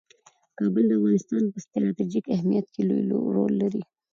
کابل د افغانستان په ستراتیژیک اهمیت کې لوی رول لري.